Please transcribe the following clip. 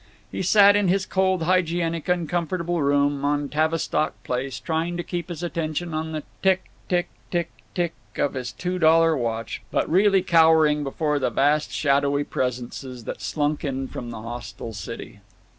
He sat in his cold hygienic uncomfortable room on Tavistock Place trying to keep his attention on the "tick, tick, tick, tick" of his two dollar watch, but really cowering before the vast shadowy presences that slunk in from the hostile city.